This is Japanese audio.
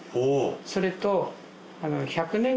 それと。